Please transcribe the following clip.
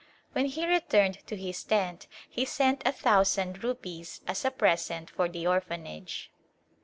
When he returned to his tent he sent a thousand rupees as a present for the Orphanage.